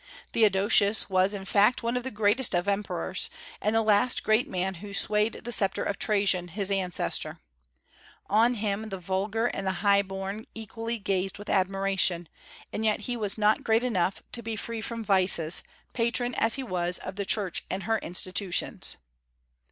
Theodosius was in fact one of the greatest of the emperors, and the last great man who swayed the sceptre of Trajan, his ancestor. On him the vulgar and the high born equally gazed with admiration, and yet he was not great enough to be free from vices, patron as he was of the Church and her institutions.